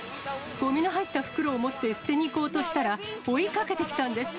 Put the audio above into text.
ごみの入った袋を持って捨てに行こうとしたら、追いかけてきたんです。